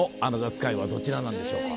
スカイはどちらなんでしょうか？